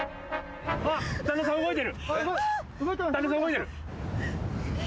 旦那さん動いてる。